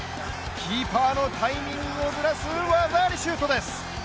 キーパーのタイミングをずらす技ありシュートです。